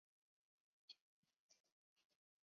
有研究将少孢根霉视为的变种。